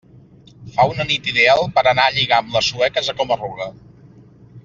Fa una nit ideal per anar a lligar amb les sueques a Coma-ruga.